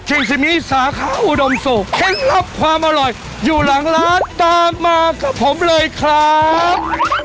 ซิมิสาขาวอุดมศุกร์เคล็ดลับความอร่อยอยู่หลังร้านตามมากับผมเลยครับ